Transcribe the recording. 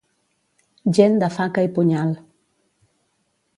Gent de faca i punyal.